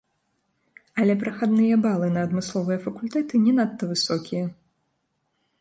Але прахадныя балы на адмысловыя факультэты не надта высокія.